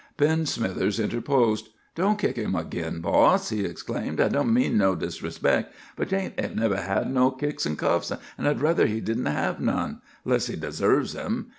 "Ben Smithers interposed. 'Don't kick him agin, boss!' he exclaimed. 'I don't mean no disrespec', but Jake ain't never had no kicks an' cuffs, an' I'd ruther he didn't have none, 'less he desarves 'em.